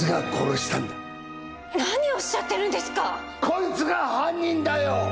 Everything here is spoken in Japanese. こいつが犯人だよ！